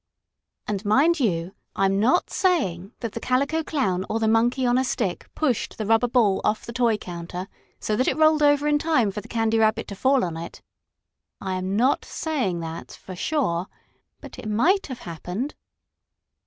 And, mind you, I'm not saying that the Calico Clown or the Monkey on a Stick pushed the rubber ball off the toy counter so that it rolled over in time for the Candy Rabbit to fall on it. I am not saying that for sure, but it might have happened.